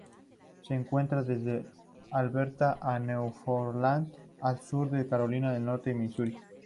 Se encuentra desde Alberta a Newfoundland, el sur de Carolina del Norte y Misuri.